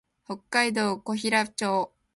北海道古平町